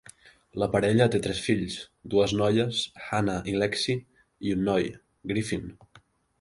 La parella té tres fills: dues noies, Hannah i Lexie, i un noi, Griffin.